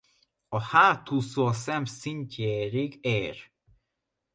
A hátúszó a szem szintjéig ér.